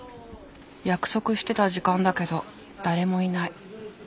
約束してた時間だけど誰もいない。